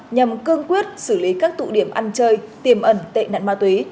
nhằm cương quyết xử lý các tụ điểm ăn chơi tiềm ẩn tệ nạn ma túy